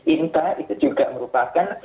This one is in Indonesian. inta itu juga merupakan